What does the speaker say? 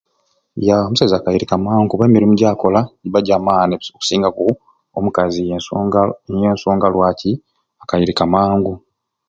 Ya omusaiza akairuka mangu kuba emirumu gyakola jamaani okusingaku omukazi ensonga niyo nsonga lwaki akairika mangu